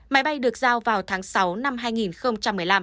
máy bay được giao vào tháng sáu năm hai nghìn một mươi năm